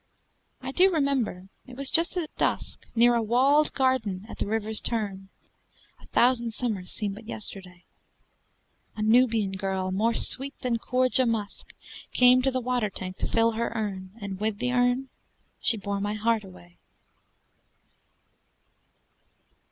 I do remember ... it was just at dusk, Near a walled garden at the river's turn, (A thousand summers seem but yesterday!) A Nubian girl, more sweet than Khoorja musk, Came to the water tank to fill her urn, And with the urn she bore my heart away!